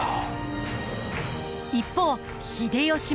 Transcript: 一方秀吉も。